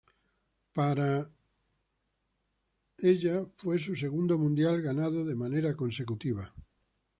Para la fue su segundo mundial ganado de manera consecutiva.